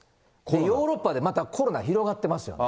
ヨーロッパでまたコロナ広がってますよね。